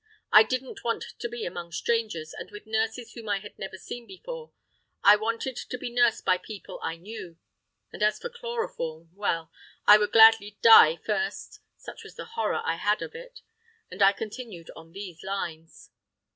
I didn't want to be among strangers and with nurses whom I had never seen before; I wanted to be nursed by people I knew. And as for chloroform, well, I would gladly die first! such was the horror I had of it. And I continued on these lines.